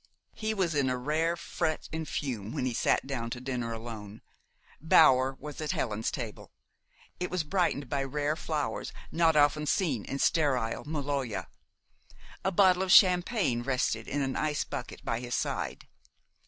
He was in a rare fret and fume when he sat down to dinner alone. Bower was at Helen's table. It was brightened by rare flowers not often seen in sterile Maloja. A bottle of champagne rested in an ice bucket by his side.